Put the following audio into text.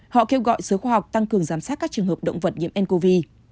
họ kêu gọi giới khoa học tăng cường giám sát các trường hợp động vật nhiễm ncov